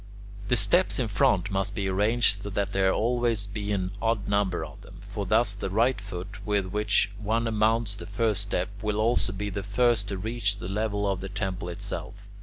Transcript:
The steps in front must be arranged so that there shall always be an odd number of them; for thus the right foot, with which one mounts the first step, will also be the first to reach the level of the temple itself.